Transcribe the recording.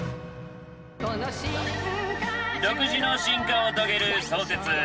独自の進化を遂げる相鉄。